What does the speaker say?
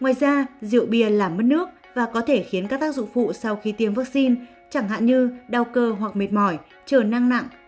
ngoài ra rượu bia làm mất nước và có thể khiến các tác dụng phụ sau khi tiêm vaccine chẳng hạn như đau cơ hoặc mệt mỏi chờ năng nặng